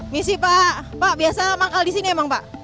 missy pak pak biasa manggal di sini ya pak